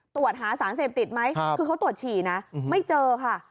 ตรวจหาสารเสพติดไหมคือเขาตรวจฉี่นะไม่เจอค่ะ